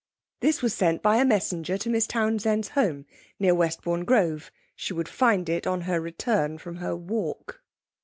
This was sent by a messenger to Miss Townsend's home near Westbourne Grove. She would find it on her return from her walk!